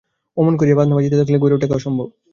অমন করিয়া বাজনা বাজিতে থাকিলে ঘরেও টেকা অসম্ভব।